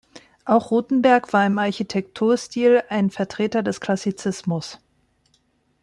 Auch Rutenberg war im Architekturstil ein Vertreter des Klassizismus.